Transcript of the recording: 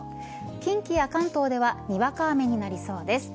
近畿や関東ではにわか雨になりそうです。